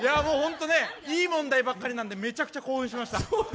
いい問題ばかりなんで、めちゃくちゃ興奮しました。